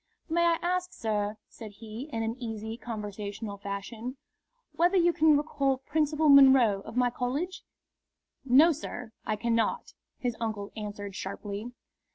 "May I ask, sir," said he, in an easy conversational fashion, "whether you can recall Principal Munro, of my college?" "No, sir, I cannot," his uncle answered, sharply.